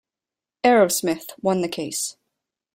Aerosmith won the case.